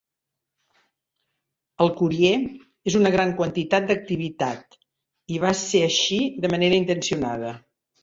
El curie es una gran quantitat d'activitat, i va ser així de manera intencionada.